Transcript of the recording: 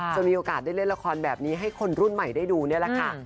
มีโอกาสได้เล่นละครแบบนี้ให้คนรุ่นใหม่ได้ดูนี่แหละค่ะ